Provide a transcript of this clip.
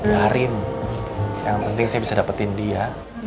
biarin yang penting saya bisa dapetin dia